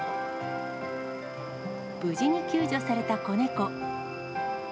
無事に救助された子猫。